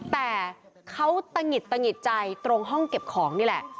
แต่เขาตะหิดตะหิดใจตรงห้องเก็บของนี่แหละ